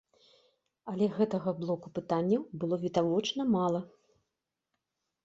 Але гэтага блоку пытанняў было відавочна мала.